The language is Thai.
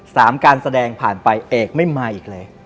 การแสดงผ่านไปเอกไม่มาอีกเลย